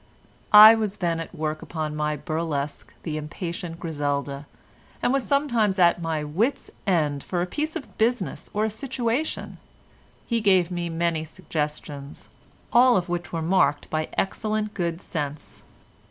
I was then at work upon my burlesque "The Impatient Griselda," and was sometimes at my wits' end for a piece of business or a situation; he gave me many suggestions, all of which were marked by excellent good sense.